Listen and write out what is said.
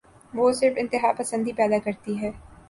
وہ صرف انتہا پسندی پیدا کرتی ہے۔